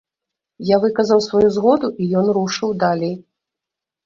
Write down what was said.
Я выказаў сваю згоду, і ён рушыў далей.